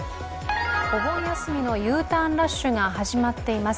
お盆休みのＵターンラッシュが始まっています。